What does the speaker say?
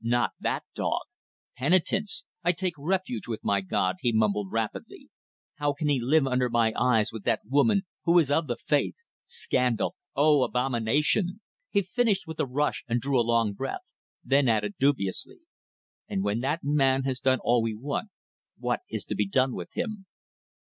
Not that dog. Penitence! I take refuge with my God," he mumbled rapidly. "How can he live under my eyes with that woman, who is of the Faith? Scandal! O abomination!" He finished with a rush and drew a long breath, then added dubiously "And when that man has done all we want, what is to be done with him?"